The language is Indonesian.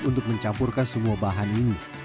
untuk mencampurkan semua bahan ini